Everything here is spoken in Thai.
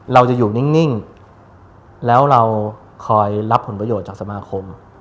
เราจะอยู่นิ่งแล้วเราคอยรับผลประโยชน์จากสมาคม